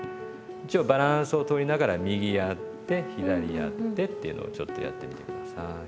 一応バランスを取りながら右やって左やってっていうのをちょっとやってみて下さい。